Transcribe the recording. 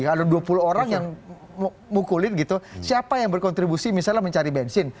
ada dua puluh orang yang mukulin gitu siapa yang berkontribusi misalnya mencari bensin